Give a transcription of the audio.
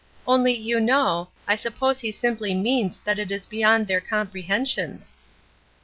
"Only, you know, I suppose he simply means that it is beyond their comprehensions."